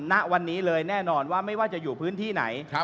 ณวันนี้เลยแน่นอนว่าไม่ว่าจะอยู่พื้นที่ไหน